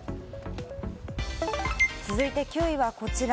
続いて９位はこちら。